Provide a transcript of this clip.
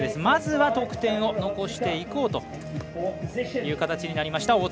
まずは得点を残していこうという形になりました